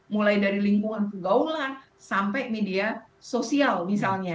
mulai dari lingkungan pergaulan sampai media sosial misalnya